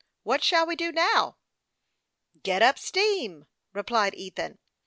What shall we do now ?"" Get up steam," replied Ethan.